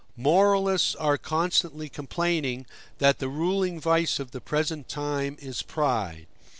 Moralists are constantly complaining that the ruling vice of the present time is pride.